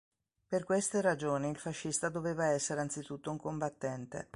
Per queste ragioni, il fascista doveva essere anzitutto un combattente.